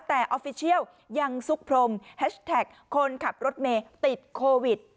แต่ออฟฟิเชียลยังซุกพรมแฮชแท็กคนขับรถเมย์ติดโควิด